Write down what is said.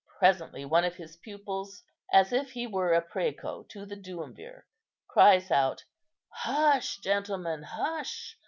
Presently one of his pupils, as if he were præco to the duumvir, cries out, 'Hush, gentlemen, hush!